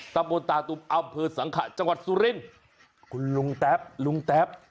ตะโบนตาตุบอับเผิดสังขะจังหวัดสุรินคุณลุงแตพ